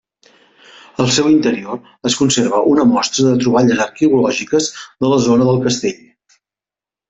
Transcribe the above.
A seu interior es conserva una mostra de troballes arqueològiques de la zona del Castell.